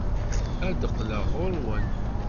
Ad d-qqleɣ ɣer-wen.